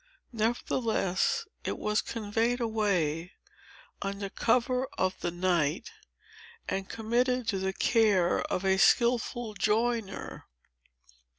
Nevertheless, it was conveyed away, under cover of the night, and committed to the care of a skilful joiner.